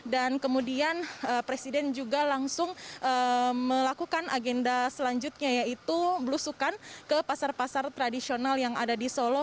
dan kemudian presiden juga langsung melakukan agenda selanjutnya yaitu belusukan ke pasar pasar tradisional yang ada di solo